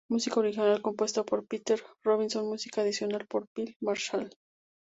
Música original compuesta por J. Peter Robinson, música adicional por Phil Marshall